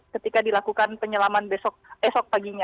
ketika dilakukan penyelaman besok esok paginya